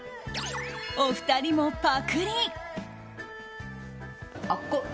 お二人もパクリ。